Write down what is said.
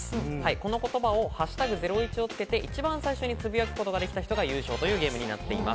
この言葉を「＃ゼロイチ」をつけて一番最初につぶやくことができた方が優勝というゲームになっています。